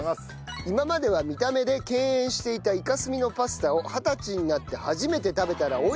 今までは見た目で敬遠していたイカスミのパスタを二十歳になって初めて食べたら美味しくてビックリしました。